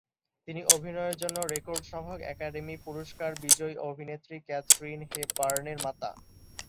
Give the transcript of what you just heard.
তিনি অভিনয়ের জন্য রেকর্ড সংখ্যক একাডেমি পুরস্কার বিজয়ী অভিনেত্রী ক্যাথরিন হেপবার্নের মাতা।